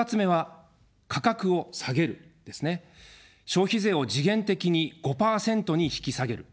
消費税を時限的に５％に引き下げる。